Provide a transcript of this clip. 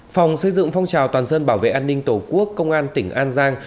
phòng xây dựng phong trào toàn dân bảo vệ an ninh tổ quốc công an tỉnh an giang